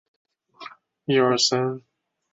与相邻。